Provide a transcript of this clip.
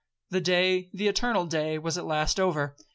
The day,—the eternal day, was at last over.